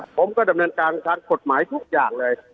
ผมก็ดำเนินการทางกฎหมายทุกอย่างเลย